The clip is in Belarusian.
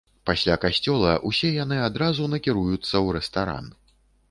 Пасля касцёла усе яны адразу накіруюцца ў рэстаран.